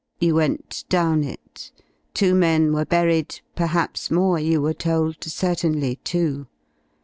You went down it; two men were buried, perhaps more you were told, certainly two.